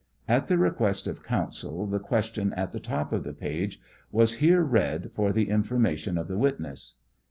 [At the request of counsel, the question at the top of the page was here read for the information of the wit ness.